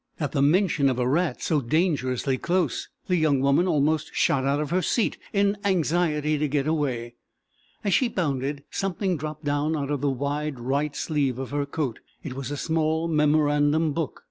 At the mention of a rat so dangerously close young woman almost shot out of her seat in anxiety to get away. As she bounded something dropped down out of the wide right sleeve of her coat. It was a small memorandum book.